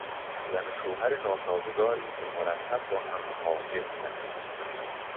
زن و شوهر ناسازگاری که مرتب با هم محاجه میکردند